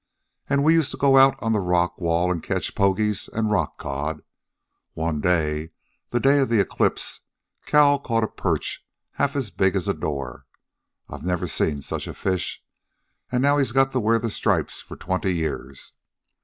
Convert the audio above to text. An' we used to go out on the Rock Wall an' catch pogies an' rock cod. One day the day of the eclipse Cal caught a perch half as big as a door. I never seen such a fish. An' now he's got to wear the stripes for twenty years.